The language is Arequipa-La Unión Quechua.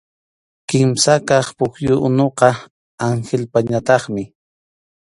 Kimsa kaq pukyu unuqa Anhilpañataqmi.